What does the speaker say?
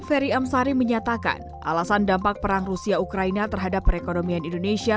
ferry amsari menyatakan alasan dampak perang rusia ukraina terhadap perekonomian indonesia